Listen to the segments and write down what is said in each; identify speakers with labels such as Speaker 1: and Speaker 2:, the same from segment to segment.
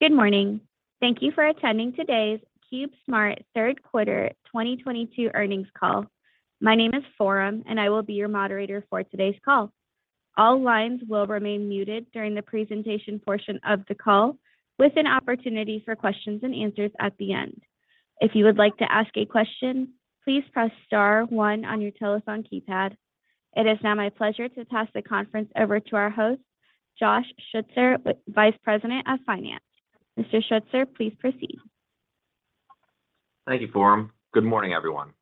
Speaker 1: Good morning. Thank you for attending today's CubeSmart third quarter 2022 earnings call. My name is Foram, and I will be your moderator for today's call. All lines will remain muted during the presentation portion of the call with an opportunity for questions and answers at the end. If you would like to ask a question, please press star one on your telephone keypad. It is now my pleasure to pass the conference over to our host, Josh Schutzer, Vice President of Finance. Mr. Schutzer, please proceed.
Speaker 2: Thank you, Foram. Good morning, everyone.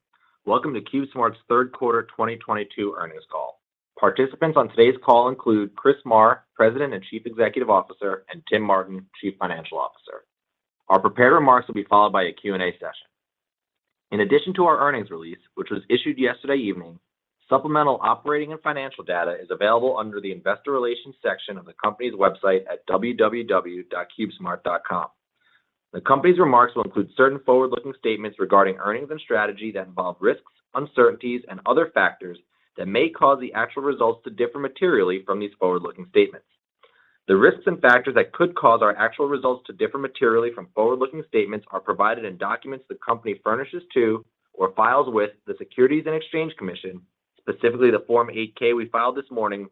Speaker 2: Welcome to CubeSmart's third quarter 2022 earnings call. Participants on today's call include Chris Marr, President and Chief Executive Officer, and Tim Martin, Chief Financial Officer. Our prepared remarks will be followed by a Q&A session. In addition to our earnings release, which was issued yesterday evening, supplemental operating and financial data is available under the Investor Relations section on the company's website at www.cubesmart.com. The company's remarks will include certain forward-looking statements regarding earnings and strategy that involve risks, uncertainties, and other factors that may cause the actual results to differ materially from these forward-looking statements. The risks and factors that could cause our actual results to differ materially from forward-looking statements are provided in documents the company furnishes to or files with the Securities and Exchange Commission, specifically the Form 8-K we filed this morning,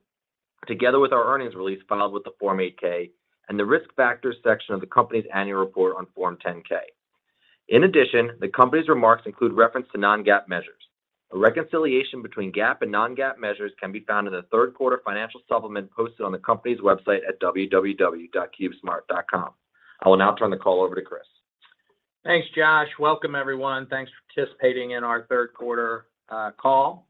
Speaker 2: together with our earnings release filed with the Form 8-K and the Risk Factors section of the company's annual report on Form 10-K. In addition, the company's remarks include reference to non-GAAP measures. A reconciliation between GAAP and non-GAAP measures can be found in the third quarter financial supplement posted on the company's website at www.cubesmart.com. I will now turn the call over to Chris.
Speaker 3: Thanks, Josh. Welcome, everyone. Thanks for participating in our third quarter call.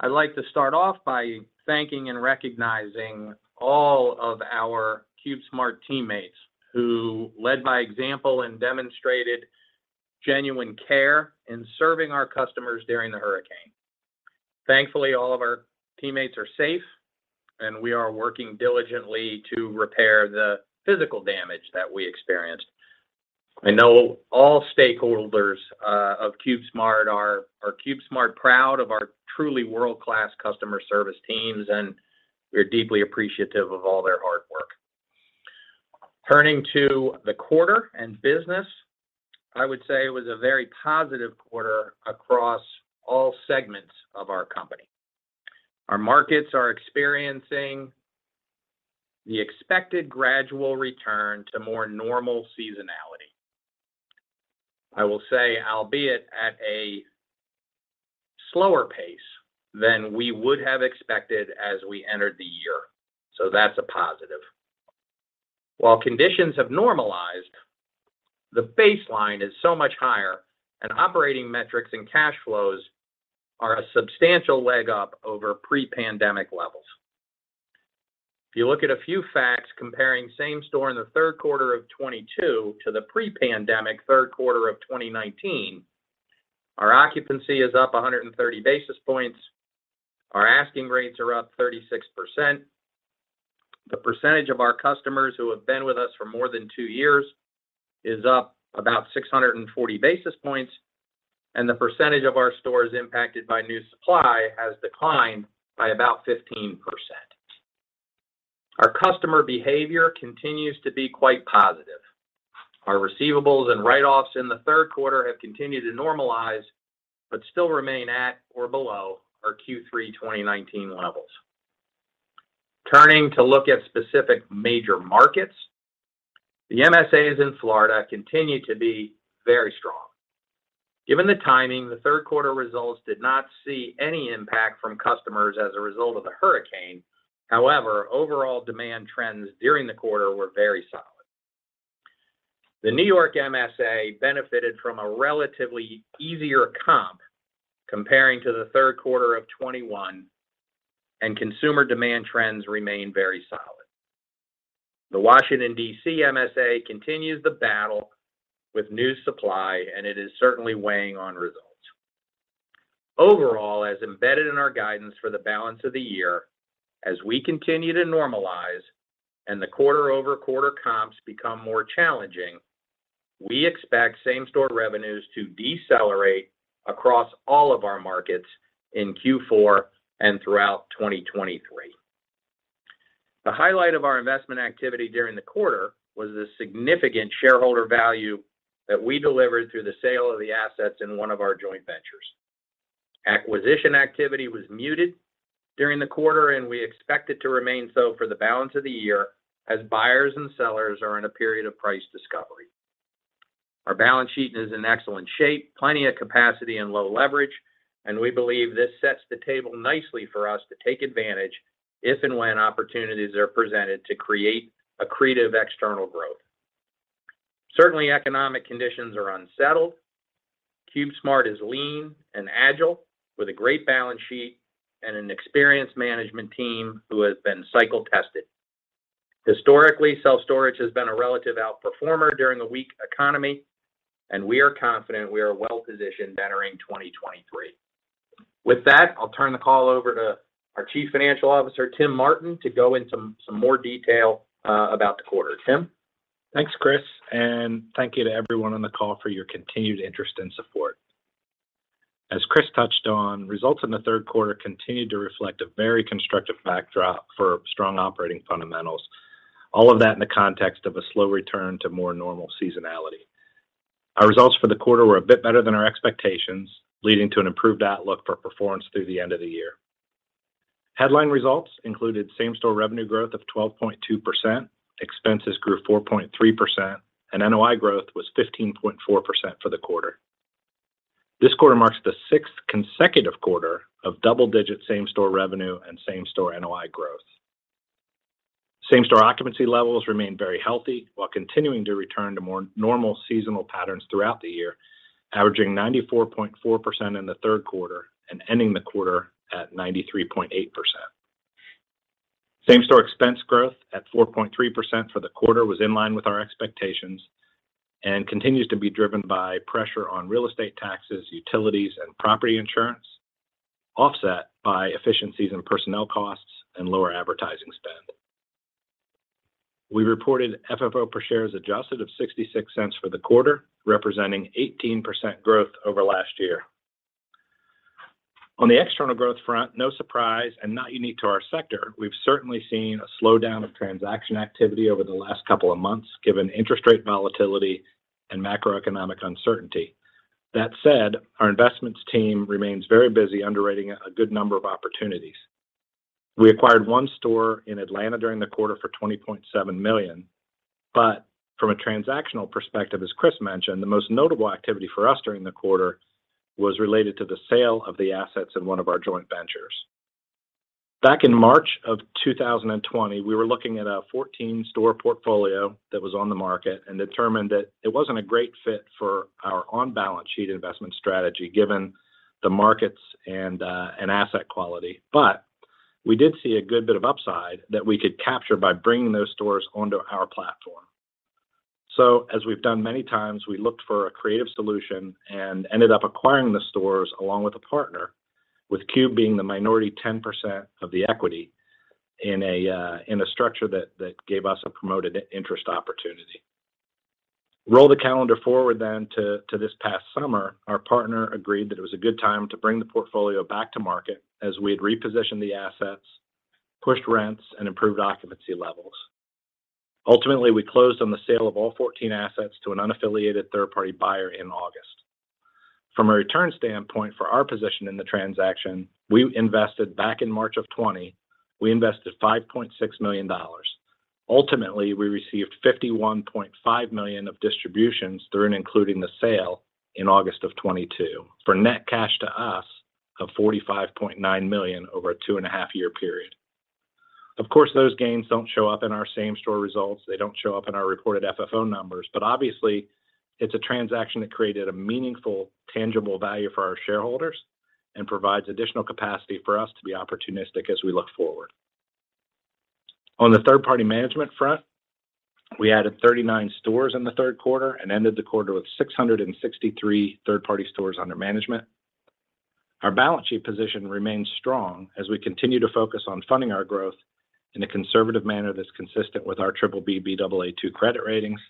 Speaker 3: I'd like to start off by thanking and recognizing all of our CubeSmart teammates who led by example and demonstrated genuine care in serving our customers during the hurricane. Thankfully, all of our teammates are safe, and we are working diligently to repair the physical damage that we experienced. I know all stakeholders of CubeSmart are CubeSmart proud of our truly world-class customer service teams, and we're deeply appreciative of all their hard work. Turning to the quarter and business, I would say it was a very positive quarter across all segments of our company. Our markets are experiencing the expected gradual return to more normal seasonality. I will say, albeit at a slower pace than we would have expected as we entered the year, so that's a positive. While conditions have normalized, the baseline is so much higher, and operating metrics and cash flows are a substantial leg up over pre-pandemic levels. If you look at a few facts comparing same store in the third quarter of 2022 to the pre-pandemic third quarter of 2019, our occupancy is up 130 basis points. Our asking rates are up 36%. The percentage of our customers who have been with us for more than two years is up about 640 basis points, and the percentage of our stores impacted by new supply has declined by about 15%. Our customer behavior continues to be quite positive. Our receivables and write-offs in the third quarter have continued to normalize but still remain at or below our Q3 2019 levels. Turning to look at specific major markets, the MSAs in Florida continue to be very strong. Given the timing, the third quarter results did not see any impact from customers as a result of the hurricane. However, overall demand trends during the quarter were very solid. The New York MSA benefited from a relatively easier comp comparing to the third quarter of 2021, and consumer demand trends remain very solid. The Washington, D.C. MSA continues the battle with new supply, and it is certainly weighing on results. Overall, as embedded in our guidance for the balance of the year, as we continue to normalize and the quarter-over-quarter comps become more challenging, we expect same-store revenues to decelerate across all of our markets in Q4 and throughout 2023. The highlight of our investment activity during the quarter was the significant shareholder value that we delivered through the sale of the assets in one of our joint ventures. Acquisition activity was muted during the quarter, and we expect it to remain so for the balance of the year as buyers and sellers are in a period of price discovery. Our balance sheet is in excellent shape, plenty of capacity and low leverage, and we believe this sets the table nicely for us to take advantage if and when opportunities are presented to create accretive external growth. Certainly, economic conditions are unsettled. CubeSmart is lean and agile with a great balance sheet and an experienced management team who has been cycle tested. Historically, self-storage has been a relative outperformer during a weak economy, and we are confident we are well positioned entering 2023. With that, I'll turn the call over to our Chief Financial Officer, Tim Martin, to go into some more detail about the quarter. Tim.
Speaker 4: Thanks, Chris, and thank you to everyone on the call for your continued interest and support. As Chris touched on, results in the third quarter continued to reflect a very constructive backdrop for strong operating fundamentals, all of that in the context of a slow return to more normal seasonality. Our results for the quarter were a bit better than our expectations, leading to an improved outlook for performance through the end of the year. Headline results included same-store revenue growth of 12.2%, expenses grew 4.3%, and NOI growth was 15.4% for the quarter. This quarter marks the sixth consecutive quarter of double-digit same-store revenue and same-store NOI growth. Same-store occupancy levels remained very healthy while continuing to return to more normal seasonal patterns throughout the year, averaging 94.4% in the third quarter and ending the quarter at 93.8%. Same-store expense growth at 4.3% for the quarter was in line with our expectations and continues to be driven by pressure on real estate taxes, utilities, and property insurance, offset by efficiencies in personnel costs and lower advertising spend. We reported FFO per share adjusted of $0.66 for the quarter, representing 18% growth over last year. On the external growth front, no surprise and not unique to our sector, we've certainly seen a slowdown of transaction activity over the last couple of months given interest rate volatility and macroeconomic uncertainty. That said, our investments team remains very busy underwriting a good number of opportunities. We acquired one store in Atlanta during the quarter for $20.7 million. From a transactional perspective, as Chris mentioned, the most notable activity for us during the quarter was related to the sale of the assets in one of our joint ventures. Back in March 2020, we were looking at a 14-store portfolio that was on the market and determined that it wasn't a great fit for our on-balance sheet investment strategy given the markets and asset quality. We did see a good bit of upside that we could capture by bringing those stores onto our platform. As we've done many times, we looked for a creative solution and ended up acquiring the stores along with a partner, with CubeSmart being the minority 10% of the equity in a structure that gave us a promoted interest opportunity. Roll the calendar forward then to this past summer. Our partner agreed that it was a good time to bring the portfolio back to market as we had repositioned the assets, pushed rents, and improved occupancy levels. Ultimately, we closed on the sale of all 14 assets to an unaffiliated third-party buyer in August. From a return standpoint for our position in the transaction, we invested back in March 2020 $5.6 million. Ultimately, we received $51.5 million of distributions through and including the sale in August 2022 for net cash to us of $45.9 million over a 2.5-year period. Of course, those gains don't show up in our same-store results. They don't show up in our reported FFO numbers. Obviously, it's a transaction that created a meaningful, tangible value for our shareholders and provides additional capacity for us to be opportunistic as we look forward. On the third-party management front, we added 39 stores in the third quarter and ended the quarter with 663 third-party stores under management. Our balance sheet position remains strong as we continue to focus on funding our growth in a conservative manner that's consistent with our BBB/Baa2 credit ratings.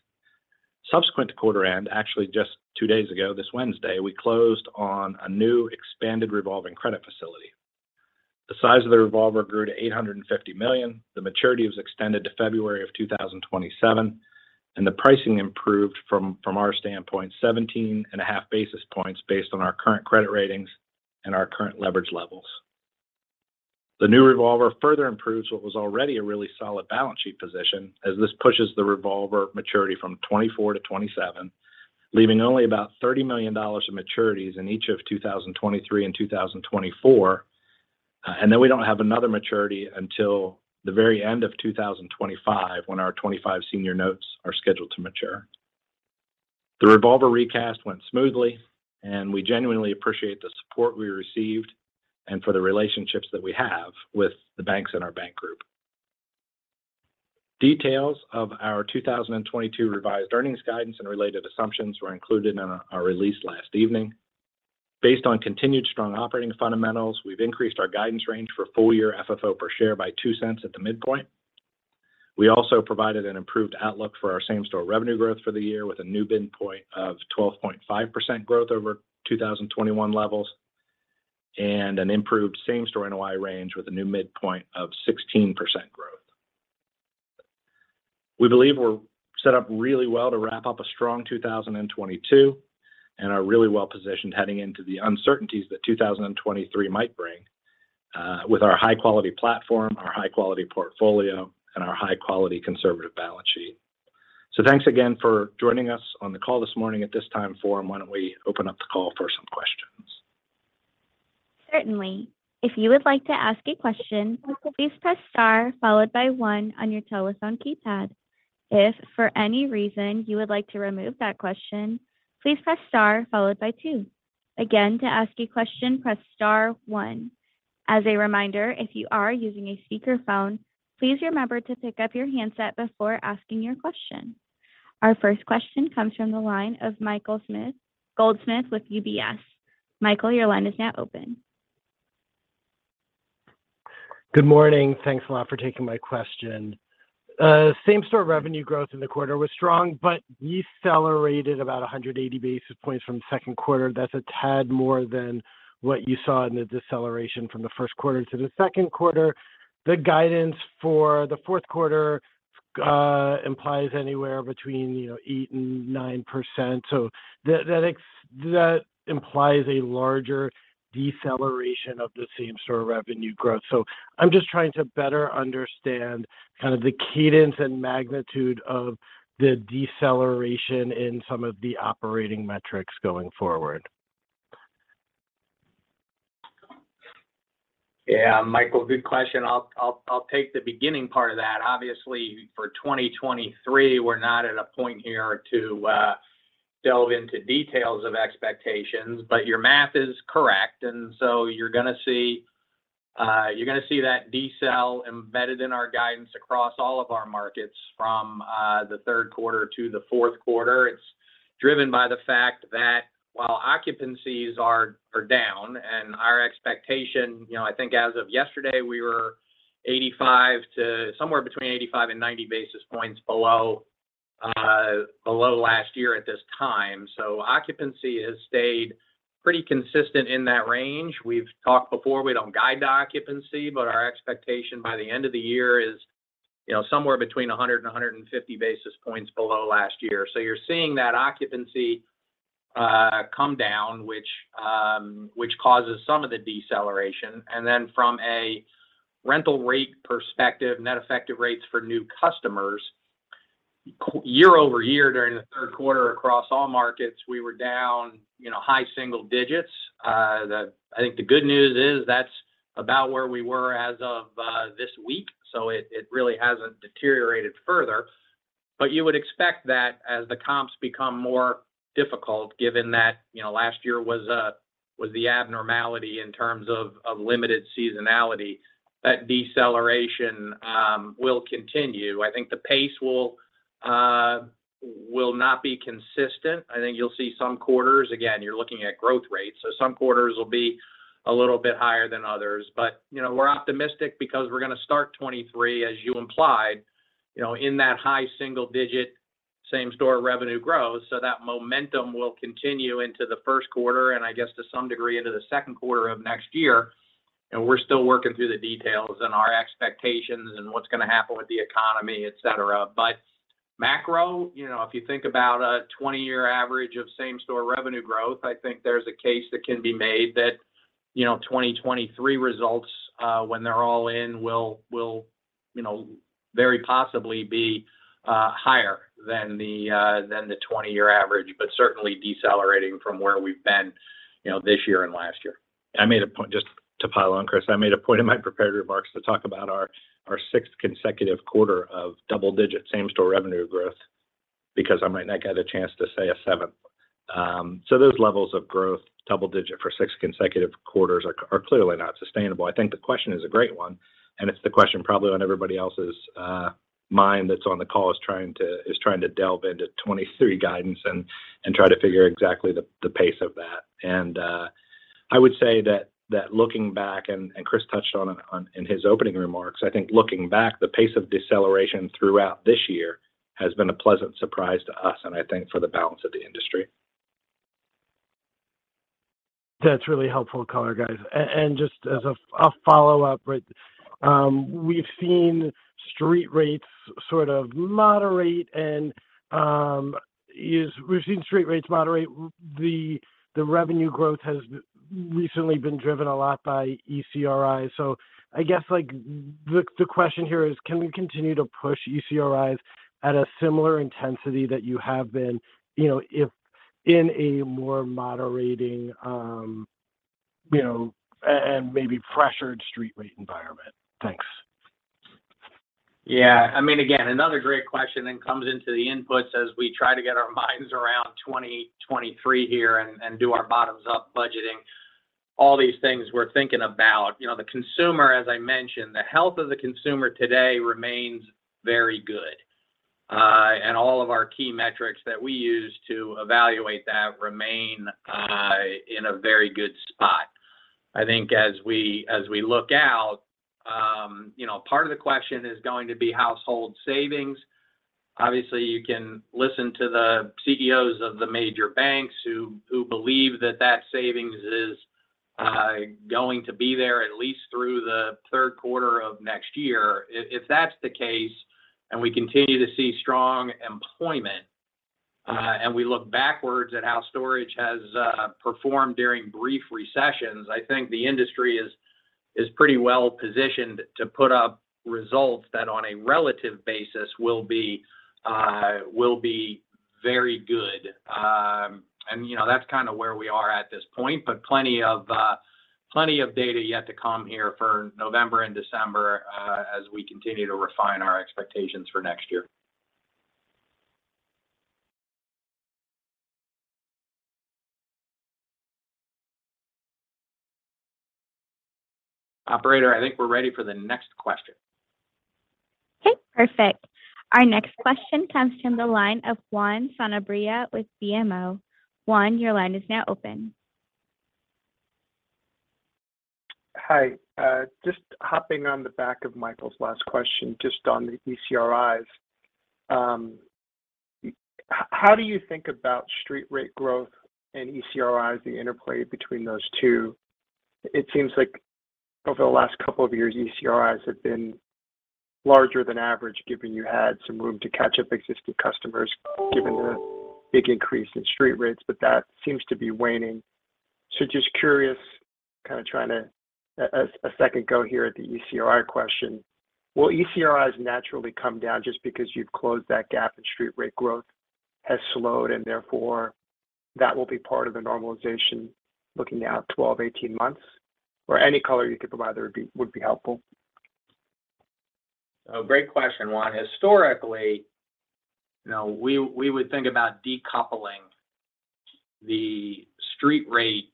Speaker 4: Subsequent to quarter end, actually just two days ago this Wednesday, we closed on a new expanded revolving credit facility. The size of the revolver grew to $850 million. The maturity was extended to February 2027, and the pricing improved from our standpoint 17.5 basis points based on our current credit ratings and our current leverage levels. The new revolver further improves what was already a really solid balance sheet position as this pushes the revolver maturity from 2024 to 2027, leaving only about $30 million of maturities in each of 2023 and 2024. And then we don't have another maturity until the very end of 2025 when our 2025 Senior Notes are scheduled to mature. The revolver recast went smoothly, and we genuinely appreciate the support we received and for the relationships that we have with the banks in our bank group. Details of our 2022 revised earnings guidance and related assumptions were included in our release last evening. Based on continued strong operating fundamentals, we've increased our guidance range for full year FFO per share by $0.02 at the midpoint. We also provided an improved outlook for our same-store revenue growth for the year with a new midpoint of 12.5% growth over 2021 levels and an improved same-store NOI range with a new midpoint of 16% growth. We believe we're set up really well to wrap up a strong 2022 and are really well positioned heading into the uncertainties that 2023 might bring, with our high-quality platform, our high-quality portfolio, and our high-quality conservative balance sheet. Thanks again for joining us on the call this morning at this time. Foram, why don't we open up the call for some questions?
Speaker 1: Certainly. If you would like to ask a question, please press star followed by one on your telephone keypad. If for any reason you would like to remove that question, please press star followed by two. Again, to ask a question, press star one. As a reminder, if you are using a speakerphone, please remember to pick up your handset before asking your question. Our first question comes from the line of Michael Goldsmith with UBS. Michael, your line is now open.
Speaker 5: Good morning. Thanks a lot for taking my question. Same-store revenue growth in the quarter was strong, but you accelerated about 180 basis points from second quarter. That's a tad more than what you saw in the deceleration from the first quarter to the second quarter. The guidance for the fourth quarter implies anywhere between, you know, 8%-9%. That implies a larger deceleration of the same-store revenue growth. I'm just trying to better understand kind of the cadence and magnitude of the deceleration in some of the operating metrics going forward.
Speaker 3: Yeah, Michael, good question. I'll take the beginning part of that. Obviously, for 2023, we're not at a point here to delve into details of expectations, but your math is correct. You're gonna see that decel embedded in our guidance across all of our markets from the third quarter to the fourth quarter. It's driven by the fact that while occupancies are down and our expectation, you know, I think as of yesterday, we were 85 to somewhere between 85 and 90 basis points below last year at this time. Occupancy has stayed pretty consistent in that range. We've talked before, we don't guide the occupancy, but our expectation by the end of the year is, you know, somewhere between 100 and 150 basis points below last year. You're seeing that occupancy come down, which causes some of the deceleration. From a rental rate perspective, net effective rates for new customers year-over-year during the third quarter across all markets, we were down, you know, high single digits. I think the good news is that's about where we were as of this week, so it really hasn't deteriorated further. You would expect that as the comps become more difficult given that, you know, last year was the abnormality in terms of limited seasonality, that deceleration will continue. I think the pace will not be consistent. I think you'll see some quarters, again, you're looking at growth rates, so some quarters will be a little bit higher than others. You know, we're optimistic because we're gonna start 2023, as you implied, you know, in that high single-digit same-store revenue growth, so that momentum will continue into the first quarter and I guess to some degree into the second quarter of next year. We're still working through the details and our expectations and what's gonna happen with the economy, etc. Macro, you know, if you think about a 20-year average of same-store revenue growth, I think there's a case that can be made that, you know, 2023 results, when they're all in will, you know, very possibly be higher than the 20-year average, but certainly decelerating from where we've been, you know, this year and last year.
Speaker 4: I made a point just to pile on Chris. I made a point in my prepared remarks to talk about our sixth consecutive quarter of double-digit same-store revenue growth, because I might not get a chance to say a seventh. Those levels of growth, double-digit for six consecutive quarters are clearly not sustainable. I think the question is a great one, and it's the question probably on everybody else's mind that's on the call is trying to delve into 2023 guidance and try to figure exactly the pace of that. I would say that looking back and Chris touched on it in his opening remarks, I think looking back, the pace of deceleration throughout this year has been a pleasant surprise to us, and I think for the balance of the industry.
Speaker 5: That's really helpful color, guys. Just as a follow-up, right, we've seen street rates moderate. The revenue growth has recently been driven a lot by ECRI. I guess, like, the question here is, can we continue to push ECRIs at a similar intensity that you have been, you know, if in a more moderating, you know, maybe pressured street rate environment? Thanks.
Speaker 3: Yeah. I mean, again, another great question then comes into the inputs as we try to get our minds around 2023 here and do our bottoms up budgeting. All these things we're thinking about. You know, the consumer, as I mentioned, the health of the consumer today remains very good. And all of our key metrics that we use to evaluate that remain in a very good spot. I think as we look out, you know, part of the question is going to be household savings. Obviously, you can listen to the CEOs of the major banks who believe that that savings is going to be there at least through the third quarter of next year. If that's the case, and we continue to see strong employment, and we look backwards at how storage has performed during brief recessions, I think the industry is pretty well positioned to put up results that on a relative basis will be very good. You know, that's kinda where we are at this point, but plenty of data yet to come here for November and December, as we continue to refine our expectations for next year. Operator, I think we're ready for the next question.
Speaker 1: Perfect. Our next question comes from the line of Juan Sanabria with BMO. Juan, your line is now open.
Speaker 6: Hi. Just hopping on the back of Michael's last question just on the ECRIs. How do you think about street rate growth and ECRI as the interplay between those two? It seems like over the last couple of years, ECRIs have been larger than average, given you had some room to catch up existing customers, given the big increase in street rates, but that seems to be waning. Just curious, kind of trying to take a second go here at the ECRI question. Will ECRI naturally come down just because you've closed that gap and street rate growth has slowed and therefore that will be part of the normalization looking out 12, 18 months? Or any color you could provide there would be helpful.
Speaker 3: Great question, Juan. Historically, you know, we would think about decoupling the street rate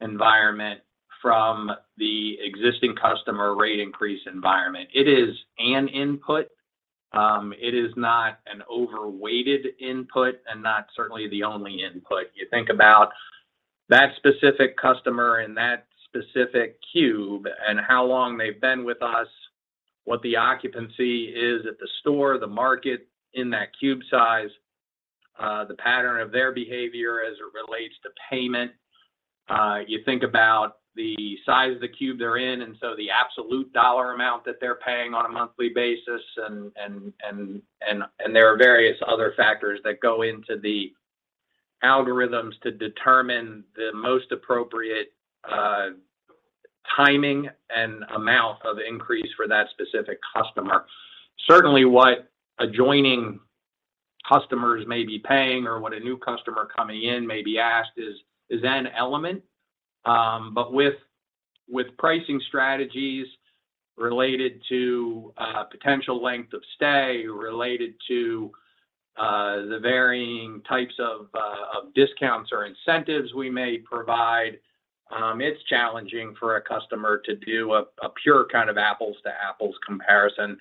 Speaker 3: environment from the existing customer rate increase environment. It is an input. It is not an overweighted input and not certainly the only input. You think about that specific customer in that specific cube and how long they've been with us, what the occupancy is at the store, the market in that cube size, the pattern of their behavior as it relates to payment. You think about the size of the cube they're in, and so the absolute dollar amount that they're paying on a monthly basis and there are various other factors that go into the algorithms to determine the most appropriate, timing and amount of increase for that specific customer. Certainly what adjoining customers may be paying or what a new customer coming in may be asked is an element. But with pricing strategies related to potential length of stay, related to the varying types of discounts or incentives we may provide, it's challenging for a customer to do a pure kind of apples to apples comparison.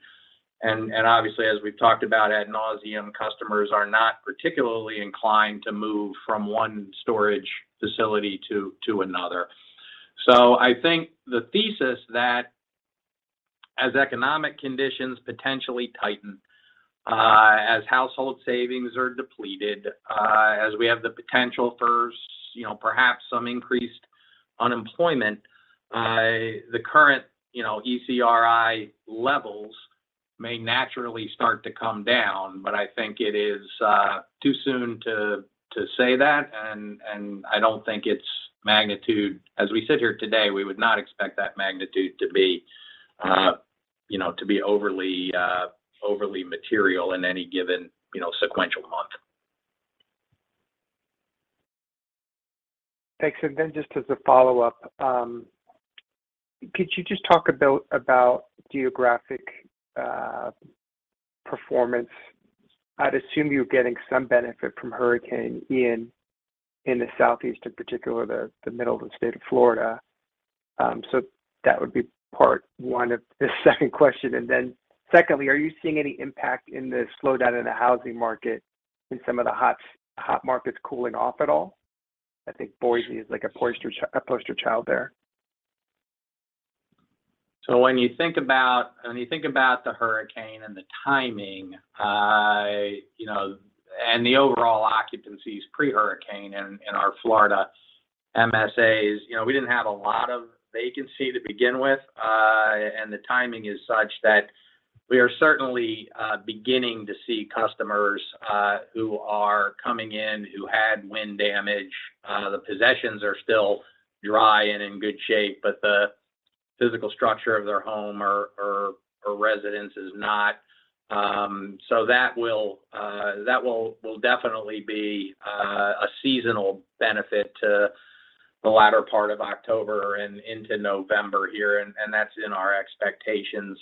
Speaker 3: Obviously, as we've talked about ad nauseam, customers are not particularly inclined to move from one storage facility to another. I think the thesis that as economic conditions potentially tighten, as household savings are depleted, as we have the potential for, you know, perhaps some increased unemployment, the current, you know, ECRI levels may naturally start to come down, but I think it is too soon to say that, and I don't think its magnitude. As we sit here today, we would not expect that magnitude to be, you know, to be overly material in any given, you know, sequential month.
Speaker 6: Thanks. Just as a follow-up, could you just talk about geographic performance? I'd assume you're getting some benefit from Hurricane Ian in the Southeast, in particular the middle of the state of Florida. That would be part one of the second question. Secondly, are you seeing any impact in the slowdown in the housing market in some of the hot markets cooling off at all? I think Boise is like a poster child there.
Speaker 3: When you think about the hurricane and the timing, you know, and the overall occupancies pre-hurricane in our Florida MSAs, you know, we didn't have a lot of vacancy to begin with, and the timing is such that we are certainly beginning to see customers who are coming in who had wind damage. The possessions are still dry and in good shape, but the physical structure of their home or residence is not. That will definitely be a seasonal benefit to the latter part of October and into November here, and that's in our expectations.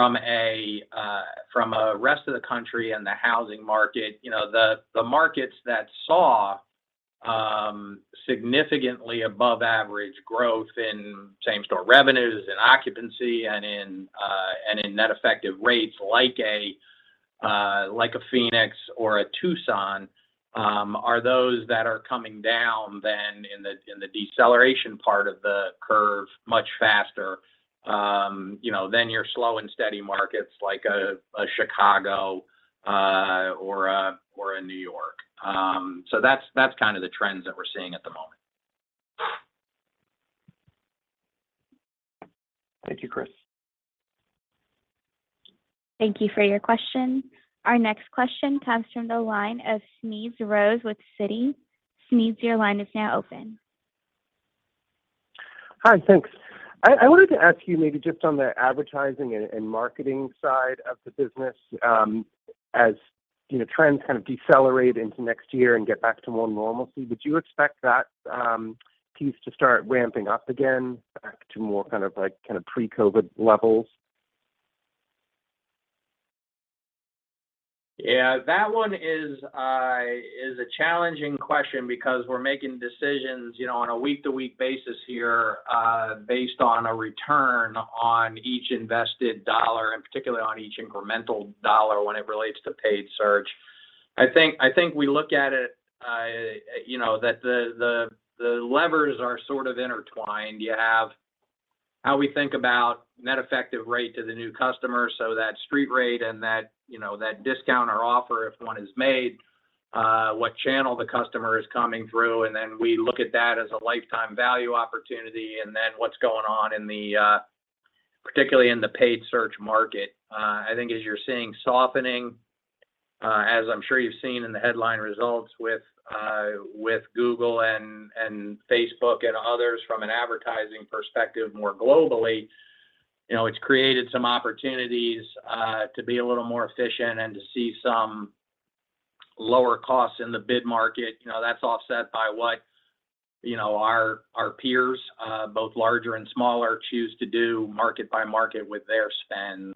Speaker 3: From the rest of the country and the housing market, you know, the markets that saw significantly above average growth in same-store revenues, in occupancy and in net effective rates like a Phoenix or a Tucson are those that are coming down then in the deceleration part of the curve much faster, you know, than your slow and steady markets like a Chicago or a New York. So that's kind of the trends that we're seeing at the moment.
Speaker 6: Thank you, Chris.
Speaker 1: Thank you for your question. Our next question comes from the line of Smedes Rose with Citi. Smedes, your line is now open.
Speaker 7: Hi. Thanks. I wanted to ask you maybe just on the advertising and marketing side of the business. As you know, trends kind of decelerate into next year and get back to more normalcy, would you expect that piece to start ramping up again back to more kind of like, kind of pre-COVID levels?
Speaker 3: Yeah, that one is a challenging question because we're making decisions, you know, on a week-to-week basis here, based on a return on each invested dollar, and particularly on each incremental dollar when it relates to paid search. I think we look at it, you know, that the levers are sort of intertwined. You have how we think about net effective rate to the new customer, so that street rate and that, you know, that discount or offer if one is made, what channel the customer is coming through. We look at that as a lifetime value opportunity, and then what's going on in there, particularly in the paid search market. I think as you're seeing softening, as I'm sure you've seen in the headline results with Google and Facebook and others from an advertising perspective more globally, you know, it's created some opportunities to be a little more efficient and to see some lower costs in the bid market. You know, that's offset by what, you know, our peers both larger and smaller choose to do market by market with their spend.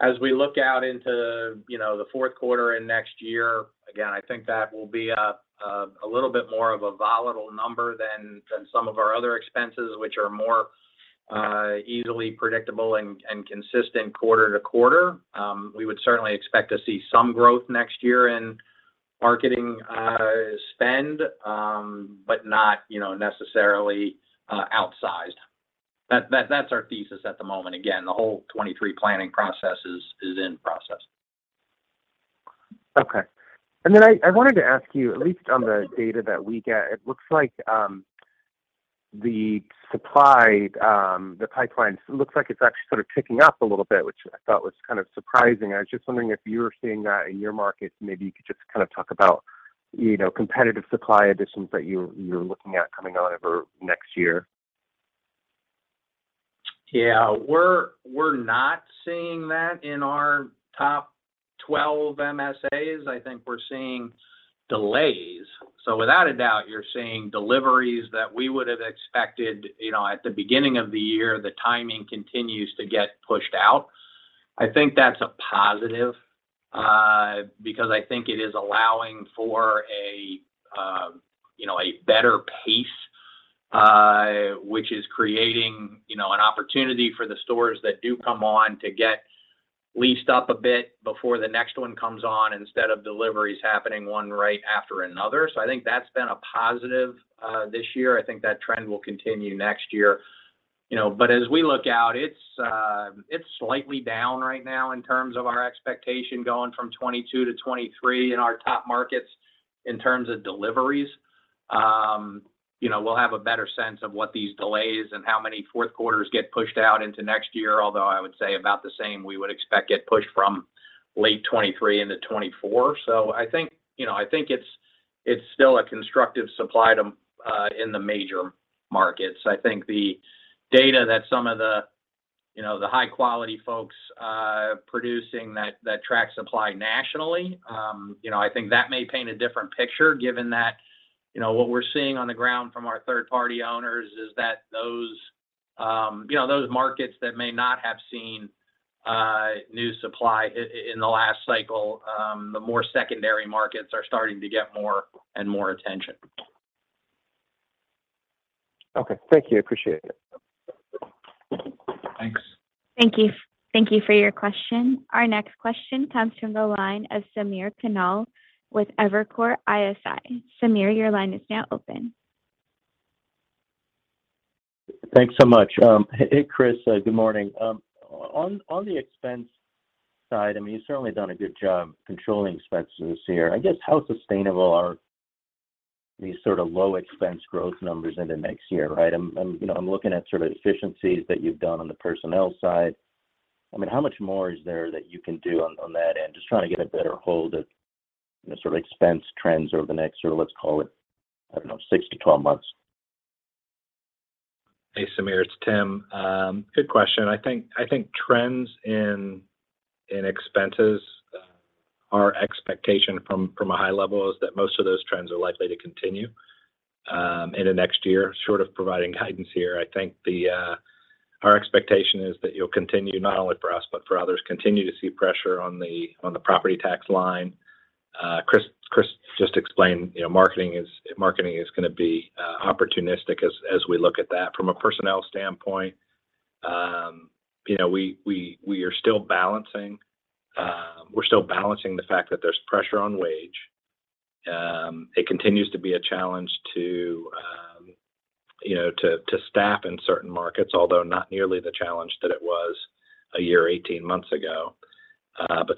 Speaker 3: As we look out into, you know, the fourth quarter and next year, again, I think that will be a little bit more of a volatile number than some of our other expenses, which are more easily predictable and consistent quarter to quarter. We would certainly expect to see some growth next year in marketing spend, but not, you know, necessarily, outsized. That's our thesis at the moment. Again, the whole 2023 planning process is in process.
Speaker 7: Okay. I wanted to ask you, at least on the data that we get, it looks like the supply, the pipeline looks like it's actually sort of ticking up a little bit, which I thought was kind of surprising. I was just wondering if you're seeing that in your markets. Maybe you could just kind of talk about, you know, competitive supply additions that you're looking at coming out over next year.
Speaker 3: Yeah. We're not seeing that in our top 12 MSAs. I think we're seeing delays. Without a doubt, you're seeing deliveries that we would have expected, you know, at the beginning of the year, the timing continues to get pushed out. I think that's a positive, because I think it is allowing for a, you know, a better pace, which is creating, you know, an opportunity for the stores that do come on to get leased up a bit before the next one comes on instead of deliveries happening one right after another. I think that's been a positive, this year. I think that trend will continue next year. You know, but as we look out, it's slightly down right now in terms of our expectation going from 2022 to 2023 in our top markets in terms of deliveries. You know, we'll have a better sense of what these delays and how many fourth quarters get pushed out into next year, although I would say about the same we would expect get pushed from late 2023 into 2024. I think, you know, I think it's still a constructive supply to in the major markets. I think the data that some of the, you know, the high quality folks producing that track supply nationally, you know, I think that may paint a different picture given that, you know, what we're seeing on the ground from our third party owners is that those markets that may not have seen new supply in the last cycle, the more secondary markets are starting to get more and more attention.
Speaker 7: Okay. Thank you. Appreciate it.
Speaker 3: Thanks.
Speaker 1: Thank you. Thank you for your question. Our next question comes from the line of Samir Khanal with Evercore ISI. Samir, your line is now open.
Speaker 8: Thanks so much. Hey, Chris, good morning. On the expense side, I mean, you've certainly done a good job controlling expenses this year. I guess how sustainable are these sort of low expense growth numbers into next year, right? I'm you know, I'm looking at sort of efficiencies that you've done on the personnel side. I mean, how much more is there that you can do on that? Just trying to get a better hold of the sort of expense trends over the next sort of let's call it, I don't know, 6-12 months.
Speaker 4: Hey, Samir, it's Tim. Good question. I think trends in expenses, our expectation from a high level is that most of those trends are likely to continue into next year, short of providing guidance here. I think our expectation is that you'll continue, not only for us but for others, continue to see pressure on the property tax line. Chris just explained, you know, marketing is gonna be opportunistic as we look at that. From a personnel standpoint, you know, we are still balancing the fact that there's pressure on wages. It continues to be a challenge to you know, to staff in certain markets, although not nearly the challenge that it was a year, 18 months ago.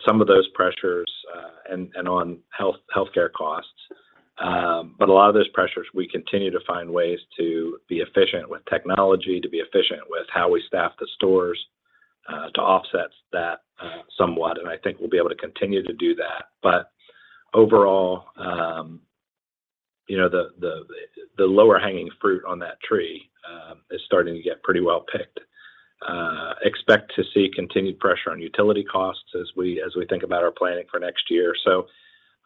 Speaker 4: Some of those pressures on healthcare costs. A lot of those pressures, we continue to find ways to be efficient with technology, to be efficient with how we staff the stores, to offset that somewhat, and I think we'll be able to continue to do that. Overall, you know, the lower hanging fruit on that tree is starting to get pretty well picked. Expect to see continued pressure on utility costs as we think about our planning for next year.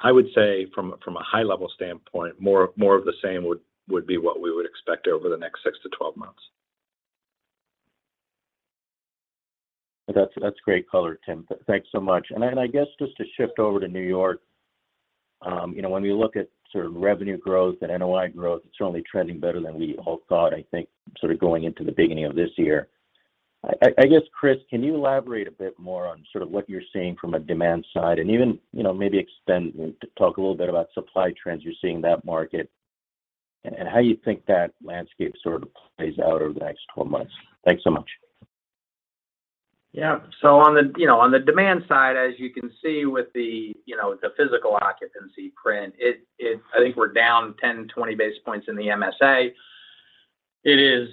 Speaker 4: I would say from a high level standpoint, more of the same would be what we would expect over the next 6-12 months.
Speaker 8: That's great color, Tim. Thanks so much. Then I guess just to shift over to New York, you know, when we look at sort of revenue growth and NOI growth, it's certainly trending better than we all thought, I think, sort of going into the beginning of this year. I guess, Chris, can you elaborate a bit more on sort of what you're seeing from a demand side and even, you know, maybe extend and talk a little bit about supply trends you're seeing in that market and how you think that landscape sort of plays out over the next twelve months? Thanks so much.
Speaker 3: Yeah. On the, you know, on the demand side, as you can see with the, you know, the physical occupancy print, it I think we're down 10-20 basis points in the MSA. It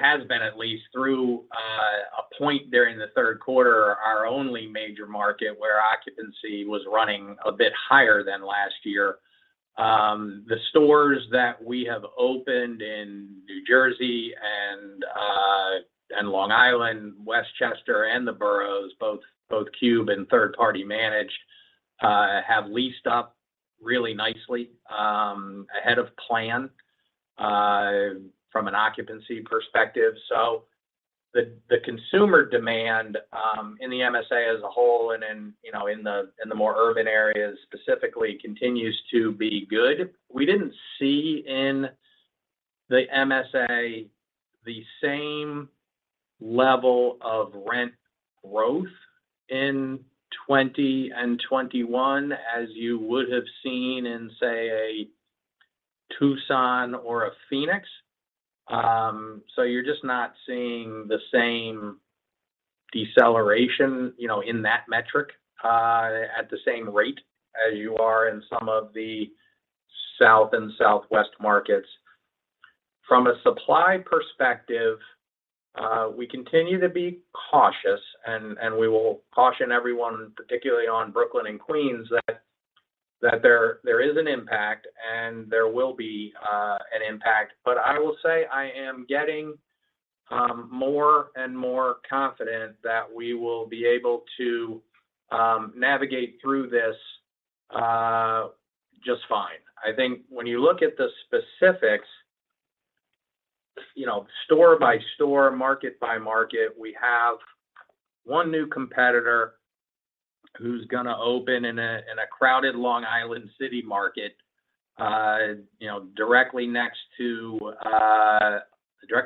Speaker 3: has been at least through a point during the third quarter, our only major market where occupancy was running a bit higher than last year. The stores that we have opened in New Jersey and Long Island, Westchester and the boroughs, both Cube and third-party managed, have leased up really nicely, ahead of plan, from an occupancy perspective. The consumer demand in the MSA as a whole and in, you know, in the, in the more urban areas specifically continues to be good. We didn't see in the MSA the same level of rent growth in 2020 and 2021 as you would have seen in, say, a Tucson or a Phoenix. So you're just not seeing the same deceleration, you know, in that metric at the same rate as you are in some of the South and Southwest markets. From a supply perspective, we continue to be cautious and we will caution everyone, particularly on Brooklyn and Queens, that there is an impact and there will be an impact. I will say I am getting more and more confident that we will be able to navigate through this just fine. I think when you look at the specifics, you know, store by store, market by market, we have one new competitor who's gonna open in a crowded Long Island City market, you know, directly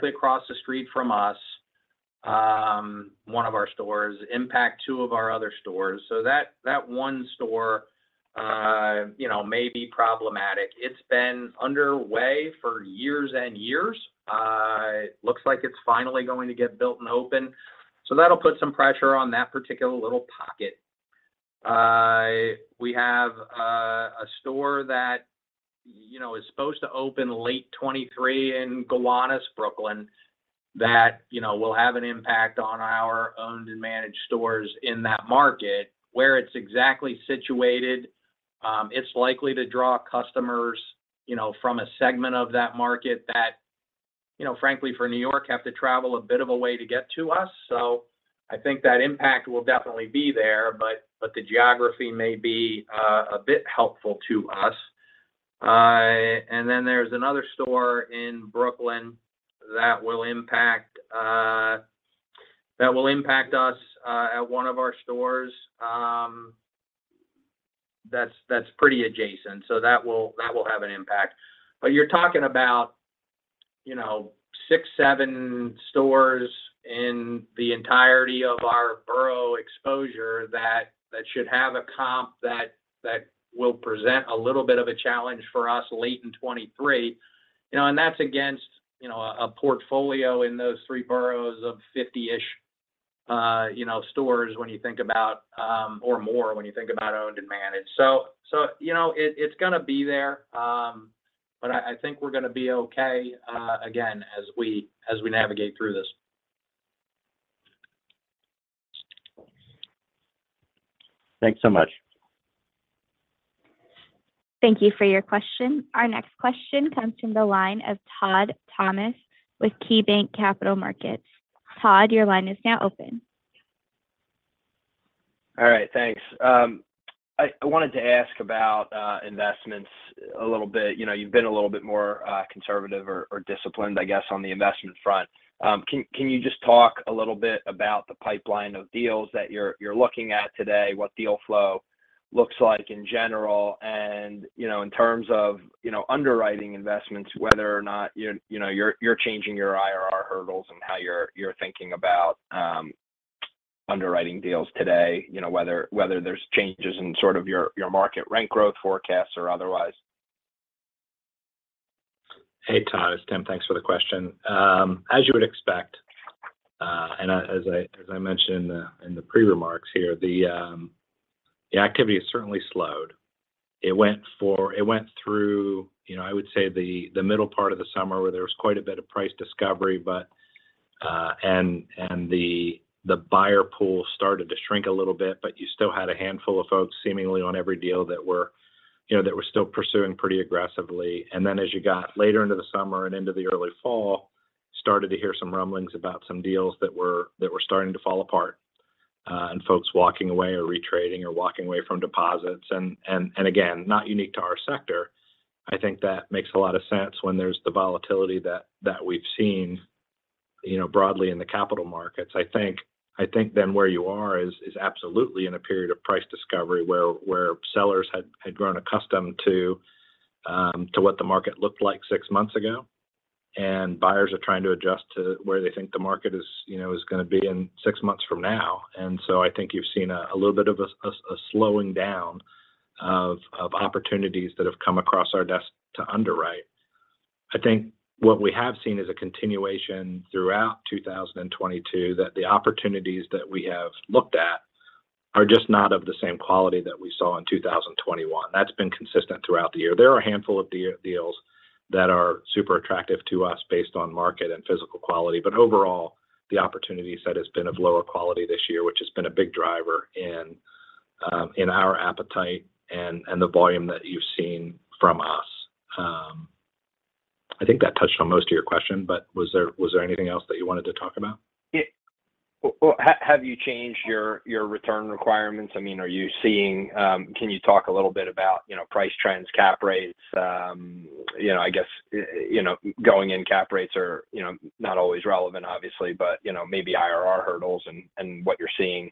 Speaker 3: across the street from us, one of our stores, impact two of our other stores. That one store may be problematic. It's been underway for years and years. It looks like it's finally going to get built and open. So that'll put some pressure on that particular little pocket. We have a store that, you know, is supposed to open late 2023 in Gowanus, Brooklyn, that, you know, will have an impact on our owned and managed stores in that market. Where it's exactly situated, it's likely to draw customers, you know, from a segment of that market that, you know, frankly, for New York, have to travel a bit of a way to get to us. I think that impact will definitely be there, but the geography may be a bit helpful to us. There's another store in Brooklyn that will impact us at one of our stores that's pretty adjacent. That will have an impact. You're talking about, you know, six, seven stores in the entirety of our borough exposure that should have a comp that will present a little bit of a challenge for us late in 2023. You know, that's against a portfolio in those three boroughs of 50-ish stores when you think about or more when you think about owned and managed. You know, it's gonna be there, but I think we're gonna be okay again as we navigate through this.
Speaker 8: Thanks so much.
Speaker 1: Thank you for your question. Our next question comes from the line of Todd Thomas with KeyBanc Capital Markets. Todd, your line is now open.
Speaker 9: All right. Thanks. I wanted to ask about investments a little bit. You know, you've been a little bit more conservative or disciplined, I guess, on the investment front. Can you just talk a little bit about the pipeline of deals that you're looking at today, what deal flow looks like in general? You know, in terms of underwriting investments, whether or not you're changing your IRR hurdles and how you're thinking about underwriting deals today, you know, whether there's changes in sort of your market rent growth forecasts or otherwise.
Speaker 4: Hey, Todd, it's Tim. Thanks for the question. As you would expect, and as I mentioned in the prepared remarks here, the activity has certainly slowed. It went through, you know, I would say the middle part of the summer where there was quite a bit of price discovery, but, and the buyer pool started to shrink a little bit, but you still had a handful of folks seemingly on every deal that were, you know, that were still pursuing pretty aggressively. As you got later into the summer and into the early fall, started to hear some rumblings about some deals that were starting to fall apart. Folks walking away or retrading or walking away from deposits and again, not unique to our sector. I think that makes a lot of sense when there's the volatility that we've seen, you know, broadly in the capital markets. I think then where you are is absolutely in a period of price discovery where sellers had grown accustomed to what the market looked like six months ago, and buyers are trying to adjust to where they think the market is, you know, gonna be in six months from now. I think you've seen a little bit of a slowing down of opportunities that have come across our desk to underwrite. I think what we have seen is a continuation throughout 2022 that the opportunities that we have looked at are just not of the same quality that we saw in 2021. That's been consistent throughout the year. There are a handful of deals that are super attractive to us based on market and physical quality. Overall, the opportunity set has been of lower quality this year, which has been a big driver in our appetite and the volume that you've seen from us. I think that touched on most of your question, but was there anything else that you wanted to talk about?
Speaker 9: Yeah. Well, have you changed your return requirements? I mean, are you seeing? Can you talk a little bit about, you know, price trends, cap rates? You know, I guess, you know, going in cap rates are, you know, not always relevant obviously, but you know, maybe IRR hurdles and what you're seeing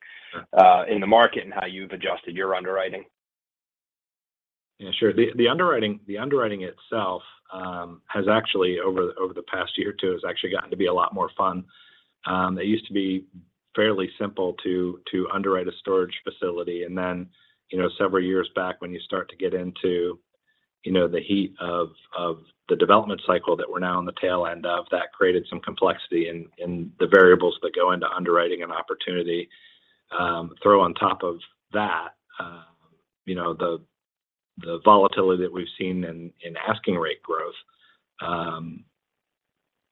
Speaker 9: in the market and how you've adjusted your underwriting.
Speaker 4: Yeah, sure. The underwriting itself has actually, over the past year or two, gotten to be a lot more fun. It used to be fairly simple to underwrite a storage facility. Then, you know, several years back when you start to get into, you know, the heat of the development cycle that we're now on the tail end of, that created some complexity in the variables that go into underwriting an opportunity. Throw on top of that, you know, the volatility that we've seen in asking rate growth,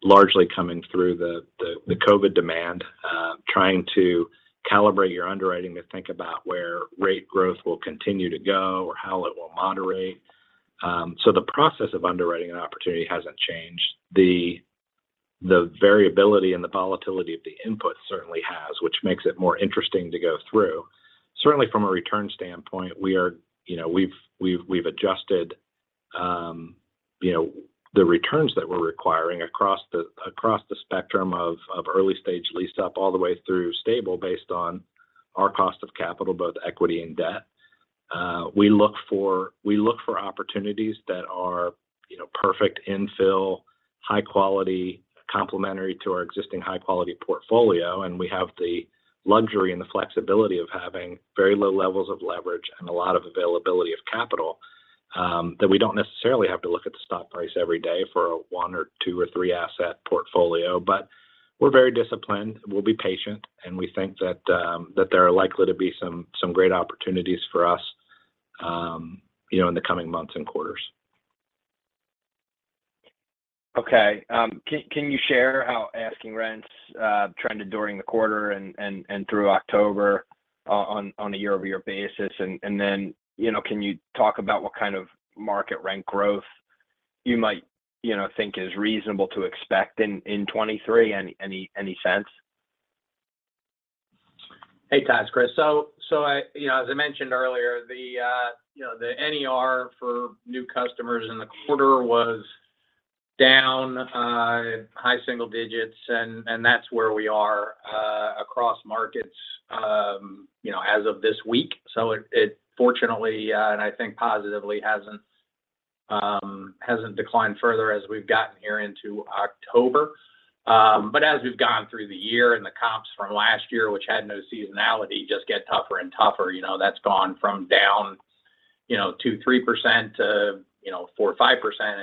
Speaker 4: largely coming through the COVID demand, trying to calibrate your underwriting to think about where rate growth will continue to go or how it will moderate. The process of underwriting an opportunity hasn't changed. The variability and the volatility of the input certainly has, which makes it more interesting to go through. Certainly from a return standpoint, we are, you know, we've adjusted the returns that we're requiring across the spectrum of early stage leased up all the way through stable based on our cost of capital, both equity and debt. We look for opportunities that are perfect infill, high quality, complementary to our existing high quality portfolio, and we have the luxury and the flexibility of having very low levels of leverage and a lot of availability of capital that we don't necessarily have to look at the stock price every day for a one or two or three asset portfolio. We're very disciplined, we'll be patient, and we think that there are likely to be some great opportunities for us, you know, in the coming months and quarters.
Speaker 9: Okay. Can you share how asking rents trended during the quarter and through October on a year-over-year basis? You know, can you talk about what kind of market rent growth you might, you know, think is reasonable to expect in 2023? Any sense?
Speaker 3: Hey, Todd, it's Chris. I, you know, as I mentioned earlier, the NER for new customers in the quarter was down high single digits, and that's where we are across markets, you know, as of this week. It fortunately and I think positively hasn't declined further as we've gotten here into October. As we've gone through the year and the comps from last year, which had no seasonality, just get tougher and tougher, you know, that's gone from down, you know, 2-3% to, you know, 4-5%.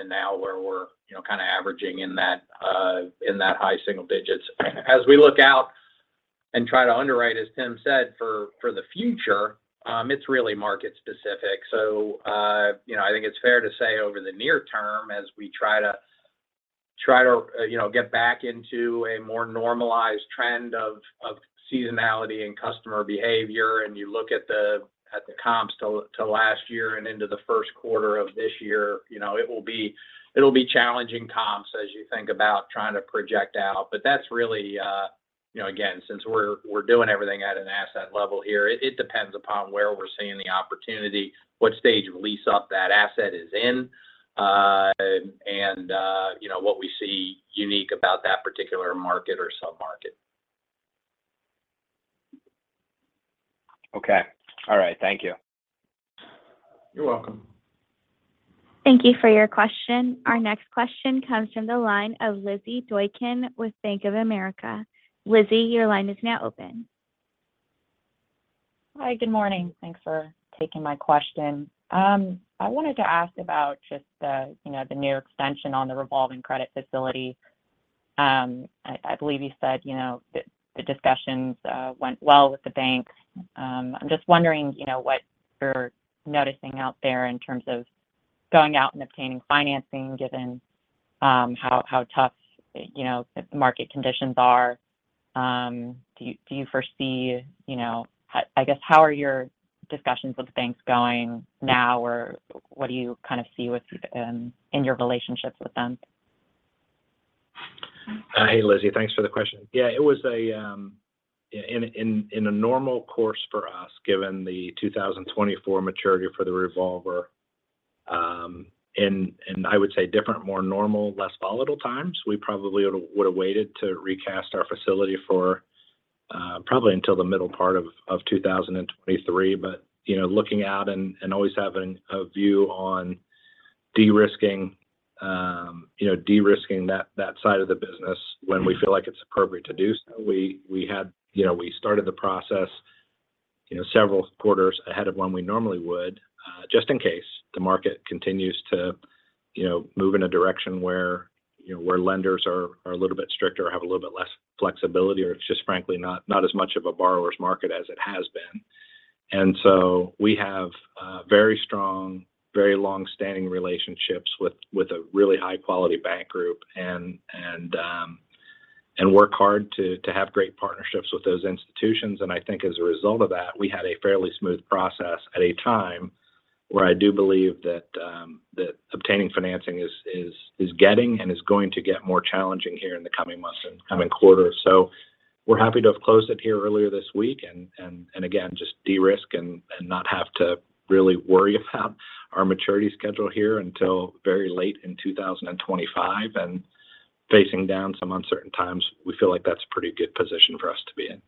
Speaker 3: Now we're, you know, kind of averaging in that high single digits. As we look out and try to underwrite, as Tim said, for the future, it's really market specific.
Speaker 4: You know, I think it's fair to say over the near term as we try to get back into a more normalized trend of seasonality and customer behavior, and you look at the comps to last year and into the first quarter of this year, you know, it'll be challenging comps as you think about trying to project out. But that's really, you know, again, since we're doing everything at an asset level here, it depends upon where we're seeing the opportunity, what stage of lease up that asset is in, and you know, what we see unique about that particular market or sub-market.
Speaker 9: Okay. All right. Thank you.
Speaker 4: You're welcome.
Speaker 1: Thank you for your question. Our next question comes from the line of Lizzy Doykan with Bank of America. Lizzy, your line is now open.
Speaker 10: Hi. Good morning. Thanks for taking my question. I wanted to ask about just the, you know, the term extension on the revolving credit facility. I believe you said, you know, the discussions went well with the bank. I'm just wondering, you know, what you're noticing out there in terms of going out and obtaining financing given how tough, you know, market conditions are. Do you foresee, you know? I guess, how are your discussions with banks going now or what do you kind of see within your relationships with them?
Speaker 4: Hey, Lizzy. Thanks for the question. Yeah, it was in a normal course for us, given the 2024 maturity for the revolver. I would say different, more normal, less volatile times, we probably would have waited to recast our facility for probably until the middle part of 2023. You know, looking out and always having a view on de-risking, you know, de-risking that side of the business when we feel like it's appropriate to do so. We had. You know, we started the process, you know, several quarters ahead of when we normally would, just in case the market continues to, you know, move in a direction where, you know, where lenders are a little bit stricter or have a little bit less flexibility, or it's just frankly not as much of a borrower's market as it has been. We have very strong, very long-standing relationships with a really high-quality bank group and work hard to have great partnerships with those institutions. I think as a result of that, we had a fairly smooth process at a time where I do believe that obtaining financing is getting and is going to get more challenging here in the coming months and coming quarters. We're happy to have closed it here earlier this week and again, just de-risk and not have to really worry about our maturity schedule here until very late in 2025. Facing down some uncertain times, we feel like that's a pretty good position for us to be in.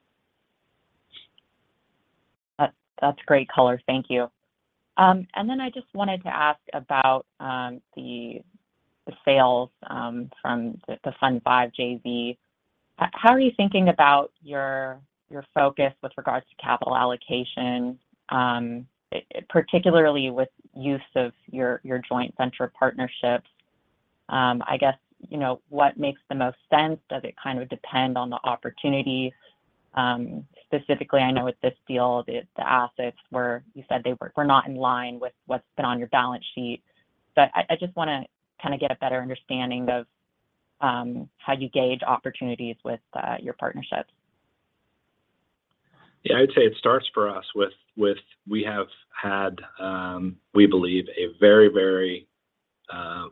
Speaker 10: That's great color. Thank you. Then I just wanted to ask about the sales from the Fund V JV. How are you thinking about your focus with regards to capital allocation, particularly with use of your joint venture partnerships? I guess, you know, what makes the most sense? Does it kind of depend on the opportunity? Specifically, I know with this deal, the assets were, you said, they were not in line with what's been on your balance sheet. I just wanna kind of get a better understanding of how you gauge opportunities with your partnerships.
Speaker 4: Yeah, I would say it starts for us with we have had we believe a very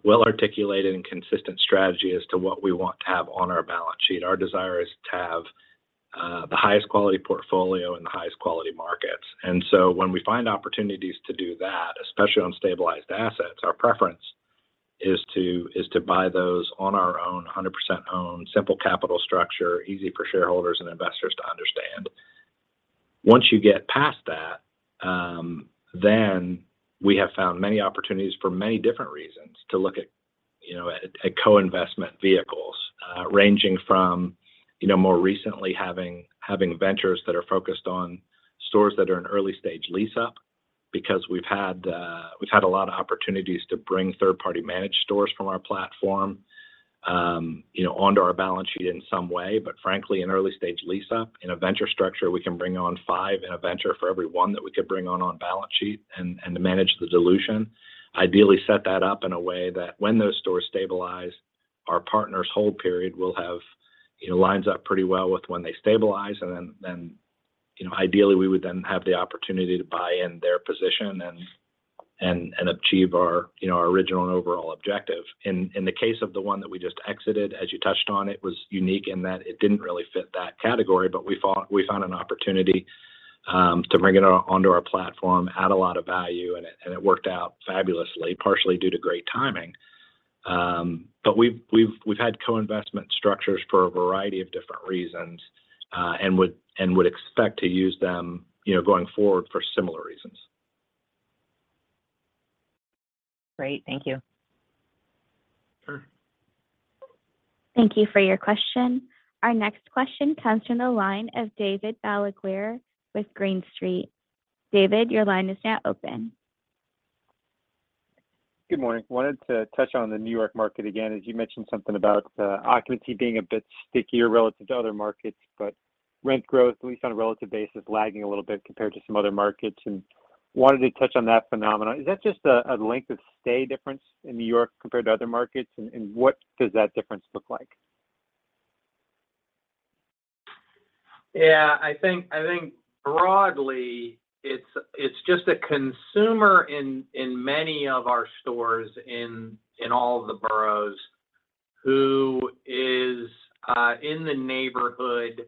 Speaker 4: well-articulated and consistent strategy as to what we want to have on our balance sheet. Our desire is to have the highest quality portfolio in the highest quality markets. When we find opportunities to do that, especially on stabilized assets, our preference is to buy those on our own, 100% owned, simple capital structure, easy for shareholders and investors to understand. Once you get past that, then we have found many opportunities for many different reasons to look at, you know, at co-investment vehicles, ranging from, you know, more recently having ventures that are focused on stores that are in early stage lease up, because we've had a lot of opportunities to bring third-party managed stores from our platform, you know, onto our balance sheet in some way. But frankly, in early stage lease up, in a venture structure, we can bring on five in a venture for every one that we could bring on balance sheet and to manage the dilution. Ideally, set that up in a way that when those stores stabilize, our partners' hold period will have, you know, lines up pretty well with when they stabilize, and then, you know, ideally, we would then have the opportunity to buy in their position and achieve our, you know, our original and overall objective. In the case of the one that we just exited, as you touched on, it was unique in that it didn't really fit that category, but we found an opportunity to bring it onto our platform, add a lot of value, and it worked out fabulously, partially due to great timing. We've had co-investment structures for a variety of different reasons and would expect to use them, you know, going forward for similar reasons.
Speaker 10: Great. Thank you.
Speaker 4: Sure.
Speaker 1: Thank you for your question. Our next question comes from the line of David Balaguer with Green Street. David, your line is now open.
Speaker 11: Good morning. Wanted to touch on the New York market again, as you mentioned something about, occupancy being a bit stickier relative to other markets, but rent growth, at least on a relative basis, lagging a little bit compared to some other markets, and wanted to touch on that phenomenon. Is that just a length of stay difference in New York compared to other markets? What does that difference look like?
Speaker 3: Yeah. I think broadly it's just a consumer in many of our stores in all of the boroughs who is in the neighborhood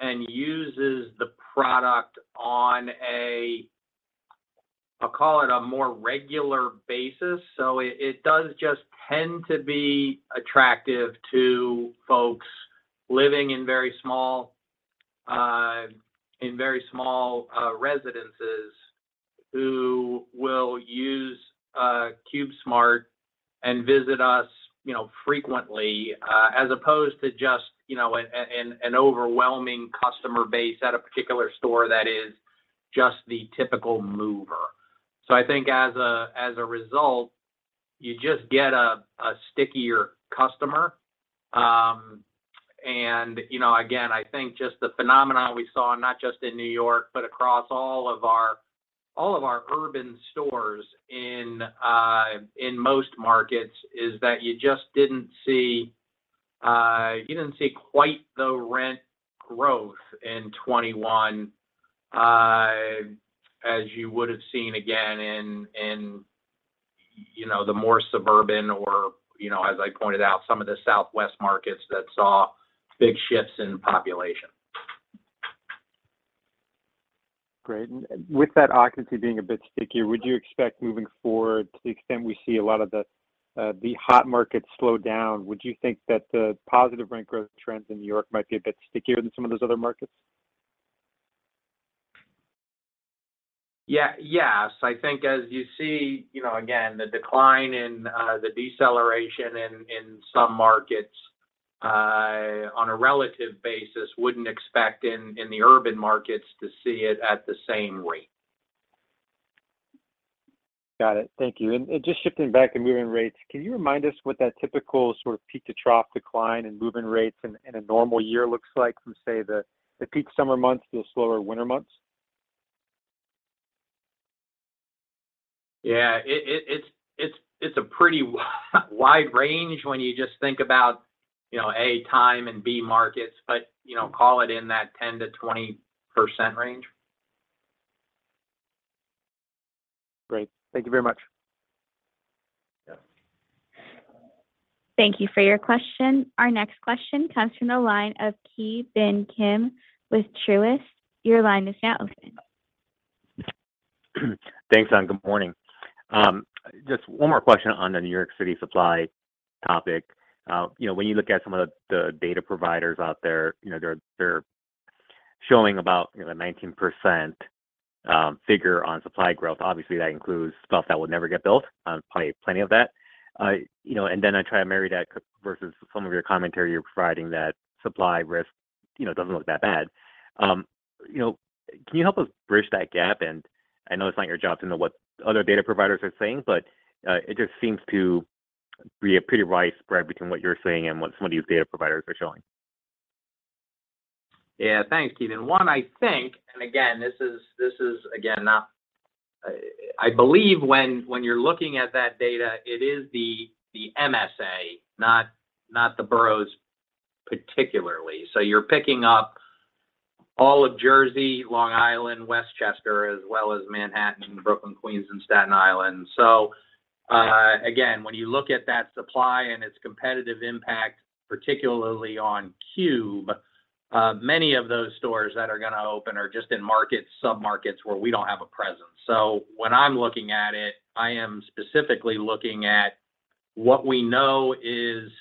Speaker 3: and uses the product on a, I'll call it a more regular basis. It does just tend to be attractive to folks living in very small residences who will use CubeSmart and visit us, you know, frequently, as opposed to just, you know, an overwhelming customer base at a particular store that is just the typical mover. I think as a result, you just get a stickier customer.
Speaker 4: You know, again, I think just the phenomenon we saw, not just in New York, but across all of our urban stores in most markets, is that you just didn't see quite the rent growth in 2021 as you would have seen again in
Speaker 3: You know, the more suburban or, you know, as I pointed out, some of the Southwest markets that saw big shifts in population.
Speaker 11: Great. With that occupancy being a bit stickier, would you expect moving forward, to the extent we see a lot of the hot markets slow down, would you think that the positive rent growth trends in New York might be a bit stickier than some of those other markets?
Speaker 3: Yeah. Yes. I think as you see, you know, again, the decline, the deceleration in some markets on a relative basis wouldn't expect in the urban markets to see it at the same rate.
Speaker 11: Got it. Thank you. Just shifting back to move-in rates, can you remind us what that typical sort of peak to trough decline in move-in rates in a normal year looks like from, say, the peak summer months to the slower winter months?
Speaker 3: Yeah. It's a pretty wide range when you just think about, you know, A, time, and B, markets. You know, call it in that 10%-20% range.
Speaker 11: Great. Thank you very much.
Speaker 1: Thank you for your question. Our next question comes from the line of Ki Bin Kim with Truist. Your line is now open.
Speaker 12: Thanks. Good morning. Just one more question on the New York City supply topic. You know, when you look at some of the data providers out there, you know, they're showing about 19% figure on supply growth. Obviously, that includes stuff that will never get built, plenty of that. You know, and then I try to marry that versus some of your commentary you're providing that supply risk, you know, doesn't look that bad. You know, can you help us bridge that gap? I know it's not your job to know what other data providers are saying, but it just seems to be a pretty wide spread between what you're saying and what some of these data providers are showing.
Speaker 3: Yeah. Thanks, Ki Bin Kim. One, I think, and again, this is again not. I believe when you're looking at that data, it is the MSA, not the boroughs particularly. So you're picking up all of Jersey, Long Island, Westchester, as well as Manhattan, Brooklyn, Queens, and Staten Island. So again, when you look at that supply and its competitive impact, particularly on Cube, many of those stores that are gonna open are just in markets, submarkets where we don't have a presence. So when I'm looking at it, I am specifically looking at what we know is